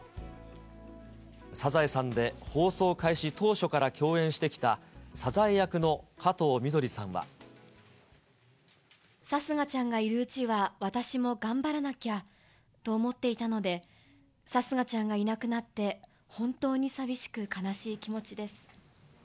サザエさんで放送開始当初から共演してきた、貴家ちゃんがいるうちは私も頑張らなきゃと思っていたので、貴家ちゃんがいなくなって、本当に寂しく、悲しい気持ちです。